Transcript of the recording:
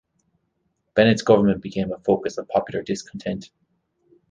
Bennett's government became a focus of popular discontent.